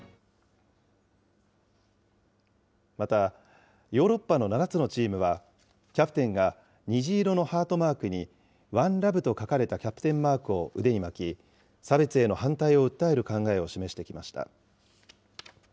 また、ヨーロッパの７つのチームは、キャプテンが虹色のハートマークにＯＮＥＬＯＶＥと書かれたキャプテンマークを腕に巻き、差別への反対を訴える考えを示してきました。